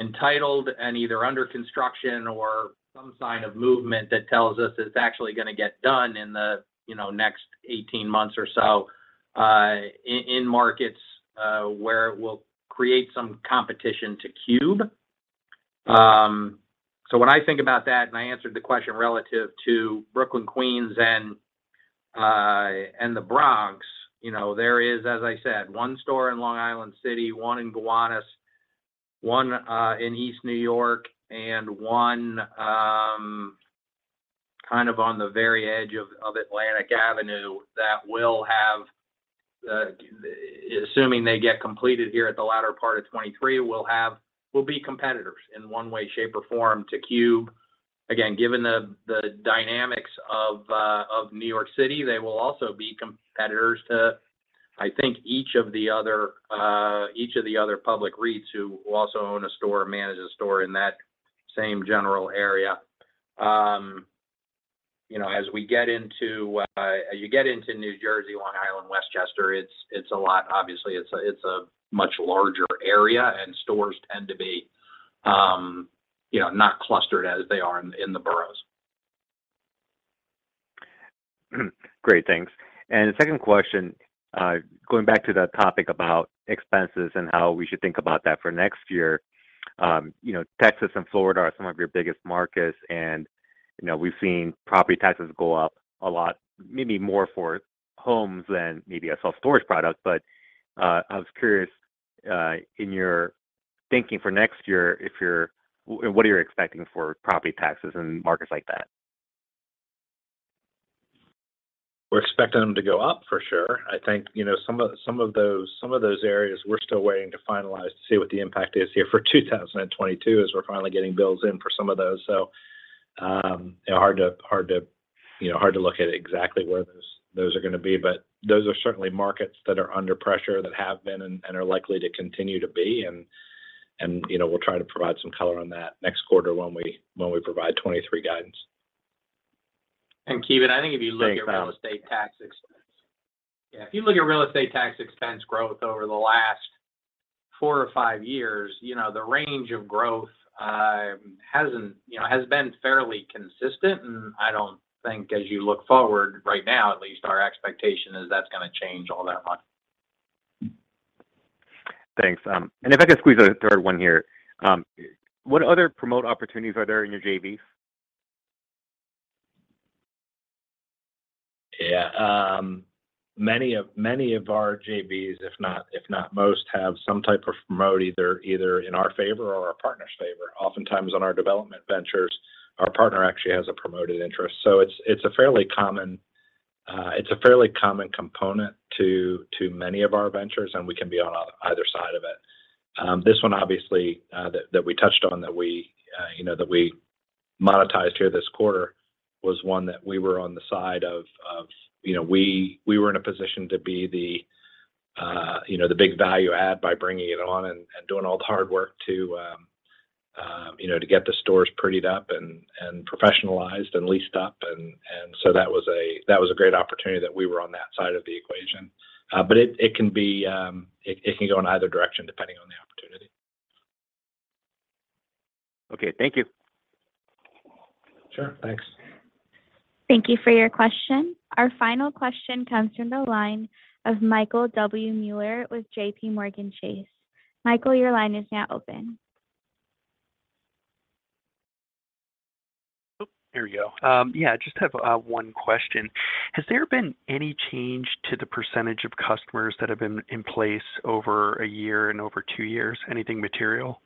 Speaker 3: entitled and either under construction or some sign of movement that tells us it's actually gonna get done in the next 18 months or so in markets where it will create some competition to Cube. When I think about that, I answered the question relative to Brooklyn, Queens, and the Bronx. You know, there is, as I said, one store in Long Island City, one in Gowanus, one in East New York, and one kind of on the very edge of Atlantic Avenue that, assuming they get completed here at the latter part of 2023, will be competitors in one way, shape, or form to Cube. Again, given the dynamics of New York City, they will also be competitors to, I think, each of the other public REITs who also own a store or manage a store in that same general area. You know, as we get into, you get into New Jersey, Long Island, Westchester, it's a lot. Obviously, it's a much larger area, and stores tend to be, you know, not clustered as they are in the boroughs.
Speaker 12: Great. Thanks. The second question, going back to the topic about expenses and how we should think about that for next year, you know, Texas and Florida are some of your biggest markets and, you know, we've seen property taxes go up a lot, maybe more for homes than maybe a self-storage product. I was curious, in your thinking for next year, what are you expecting for property taxes in markets like that?
Speaker 3: We're expecting them to go up for sure. I think, you know, some of those areas we're still waiting to finalize to see what the impact is here for 2022, as we're finally getting bills in for some of those. You know, hard to look at exactly where those are gonna be. Those are certainly markets that are under pressure, that have been and are likely to continue to be. You know, we'll try to provide some color on that next quarter when we provide 2023 guidance.
Speaker 12: Thanks.
Speaker 3: Ki Bin Kim, I think if you look at real estate tax expense. Yeah, if you look at real estate tax expense growth over the last four or five years, you know, the range of growth hasn't, you know, has been fairly consistent. I don't think as you look forward right now, at least our expectation is that's gonna change all that much.
Speaker 12: Thanks. If I could squeeze a third one here. What other promote opportunities are there in your JVs?
Speaker 3: Yeah. Many of our JVs, if not most, have some type of promote either in our favor or our partner's favor. Oftentimes on our development ventures, our partner actually has a promoted interest. It's a fairly common component to many of our ventures, and we can be on either side of it. This one obviously, that we touched on, you know, that we monetized here this quarter was one that we were on the side of. You know, we were in a position to be the, you know, the big value add by bringing it on and doing all the hard work to get the stores prettied up and professionalized and leased up. That was a great opportunity that we were on that side of the equation. It can go in either direction depending on the opportunity.
Speaker 12: Okay. Thank you.
Speaker 3: Sure. Thanks.
Speaker 1: Thank you for your question. Our final question comes from the line of Michael W. Mueller with JPMorgan Chase. Michael, your line is now open.
Speaker 13: Oh, there we go. Yeah, I just have one question. Has there been any change to the percentage of customers that have been in place over a year and over two years? Anything material?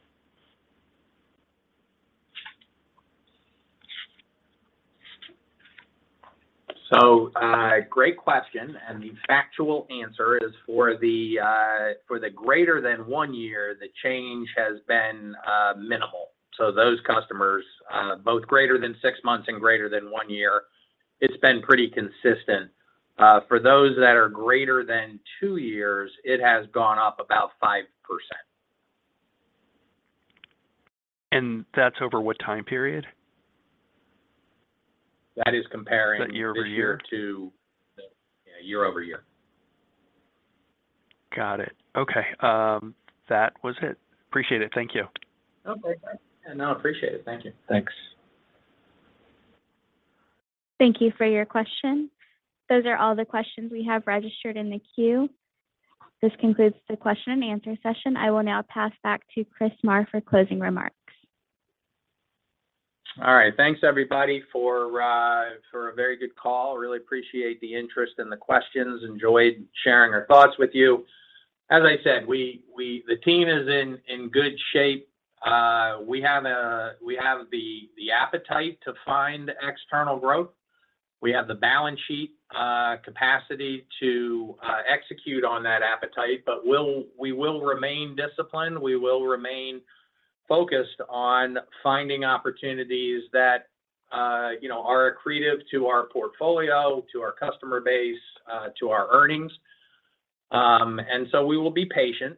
Speaker 3: Great question, and the factual answer is for the greater than one year, the change has been minimal. Those customers both greater than six months and greater than one year, it's been pretty consistent. For those that are greater than two years, it has gone up about 5%.
Speaker 13: That's over what time period?
Speaker 3: That is comparing.
Speaker 13: Is that year over year?
Speaker 3: Yeah, year-over-year.
Speaker 13: Got it. Okay. That was it. Appreciate it. Thank you.
Speaker 3: Okay. I appreciate it. Thank you.
Speaker 13: Thanks.
Speaker 1: Thank you for your question. Those are all the questions we have registered in the queue. This concludes the question and answer session. I will now pass back to Chris Marr for closing remarks.
Speaker 3: All right. Thanks everybody for a very good call. Really appreciate the interest and the questions. Enjoyed sharing our thoughts with you. As I said, the team is in good shape. We have the appetite to find external growth. We have the balance sheet capacity to execute on that appetite, but we will remain disciplined. We will remain focused on finding opportunities that you know are accretive to our portfolio, to our customer base, to our earnings. We will be patient.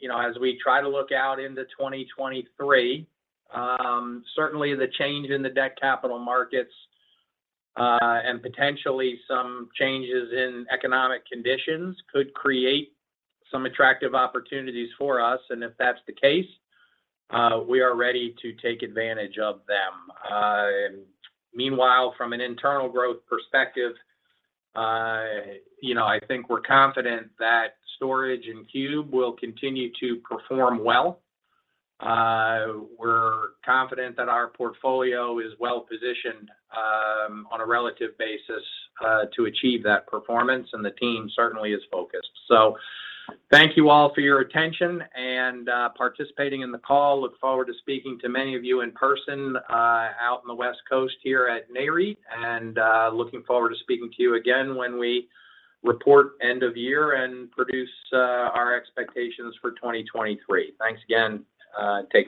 Speaker 3: You know, as we try to look out into 2023, certainly the change in the debt capital markets and potentially some changes in economic conditions could create some attractive opportunities for us. If that's the case, we are ready to take advantage of them. Meanwhile, from an internal growth perspective, you know, I think we're confident that storage and cube will continue to perform well. We're confident that our portfolio is well-positioned, on a relative basis, to achieve that performance, and the team certainly is focused. Thank you all for your attention and participating in the call. Look forward to speaking to many of you in person, out in the West Coast here at Nareit, and looking forward to speaking to you again when we report end of year and produce our expectations for 2023. Thanks again. Take care.